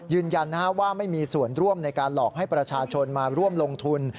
ยืนยันว่าไม่มีส่วนร่วมในการหลอกให้ประชาชนมาร่วมลงทุน